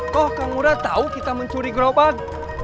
kok kang murad tau kita mencuri gerobak